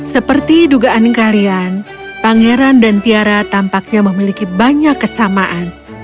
seperti dugaan kalian pangeran dan tiara tampaknya memiliki banyak kesamaan